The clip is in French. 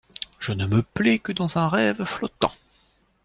Je ne me plais que dans un rêve flottant.